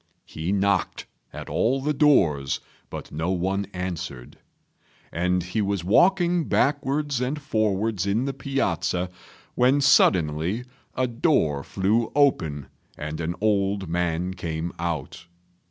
He knocked at all the doors, but no one answered; and he was walking backwards and forwards in the piazza when suddenly a door flew open and an old man came out.